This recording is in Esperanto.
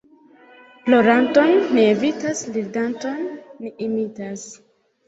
Ploranton ni evitas, ridanton ni imitas.